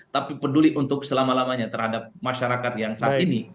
tapi peduli untuk selama lamanya terhadap masyarakat yang saat ini